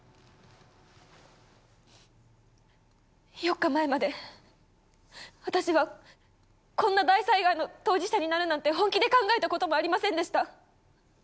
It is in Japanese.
４日前まで私はこんな大災害の当事者になるなんて本気で考えたこともありませんでした。